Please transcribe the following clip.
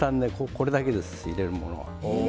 これだけです、いれるのは。